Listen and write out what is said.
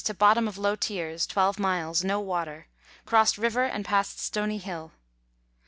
to bottom of low tiers, 12 miles. No water. Crossed river and passed Stony Hill.